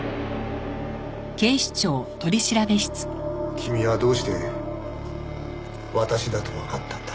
君はどうして私だとわかったんだ？